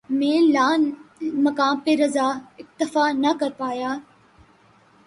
مَیں لامکاں پہ رضاؔ ، اکتفا نہ کر پایا